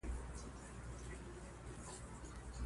شور به سي پورته له ګل غونډیو